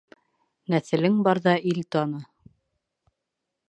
Нәҫелең барҙа ил таны.